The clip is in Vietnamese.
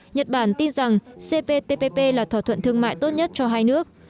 nhật bản tin rằng cptpp là thỏa thuận thương mại tốt nhất cho hai nước